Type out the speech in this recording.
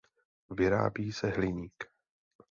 Vyrábí se hliník.